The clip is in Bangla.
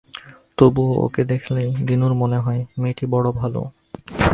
তবুও ওকে দেখলেই দিনুর মনে হয়-মেয়েটি বড় ভালো।